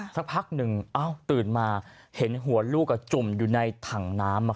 สักพักหนึ่งตื่นมาเห็นหัวลูกจุ่มอยู่ในถังน้ำ